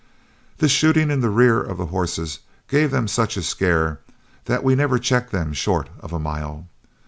This shooting in the rear of the horses gave them such a scare that we never checked them short of a mile.